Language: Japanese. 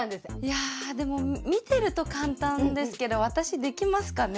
やでも見てると簡単ですけど私できますかね？